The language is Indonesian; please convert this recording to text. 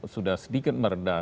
sudah sedikit meredah